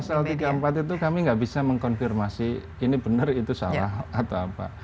pasal tiga puluh empat itu kami nggak bisa mengkonfirmasi ini benar itu salah atau apa